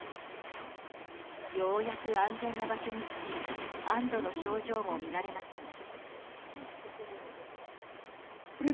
ようやく安全な場所に着き安堵の表情も見られますが。